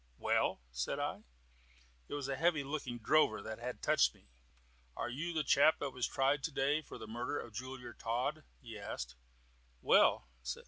"Well?" said I. It was a heavy looking drover that had touched me. "Are you the chap that was tried to day for murder of Jeweller Todd?" he asked. "Well?"